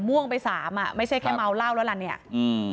ม่วงไปสามอ่ะไม่ใช่แค่เมาเหล้าแล้วล่ะเนี่ยอืม